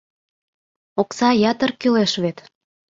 Окса ятыр кӱлеш вет.